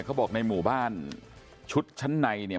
เขาบอกในหมู่บ้านชุดชั้นในเนี่ย